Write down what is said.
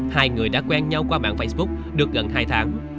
hai người đã quen nhau qua mạng facebook được gần hai tháng